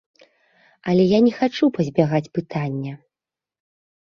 Але я не хачу пазбягаць пытання.